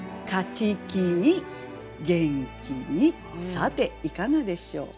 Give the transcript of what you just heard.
さていかがでしょう？